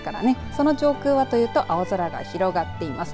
その上空はというと青空が広がっています。